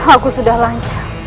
aku sudah lancah